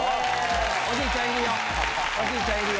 おじいちゃんいるよ。